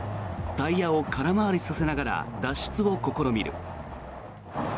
タイヤを空回りさせながら脱出を試みる。